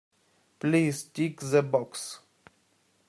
Please tick the box